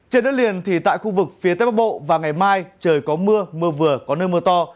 trên đất liền thì tại khu vực phía tây bắc bộ và ngày mai trời có mưa mưa vừa có nơi mưa to